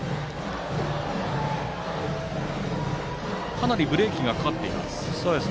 かなりブレーキがかかっています。